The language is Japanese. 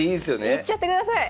行っちゃってください。